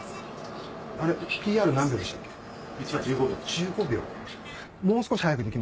１５秒。